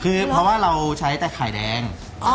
คือเพราะว่าเราใช้แต่ไข่แดง